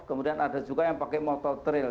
kemudian ada juga yang pakai motor trail